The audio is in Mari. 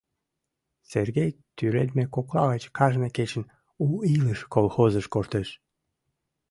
Сергей тӱредме кокла гыч кажне кечын «У илыш» колхозыш коштеш.